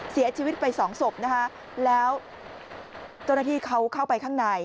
เสียชีวิตไปสองศพนะคะแล้วเจ้าหน้าที่เขาเข้าไปข้างใน